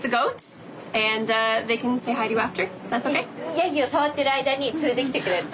ヤギを触ってる間に連れてきてくれるって。